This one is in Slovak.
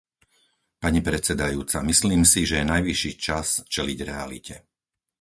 Pani predsedajúca, myslím si, že je najvyšší čas čeliť realite.